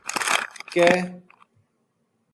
ک